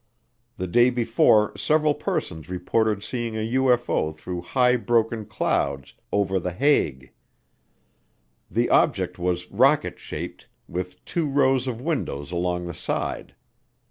The day before several persons reported seeing a UFO through high broken clouds over The Hague. The object was rocket shaped, with two rows of windows along the side.